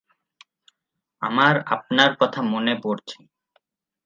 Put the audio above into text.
আমার আপনার কথা মনে পরছে।